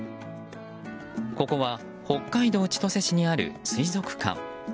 ここは北海道千歳市にある水族館。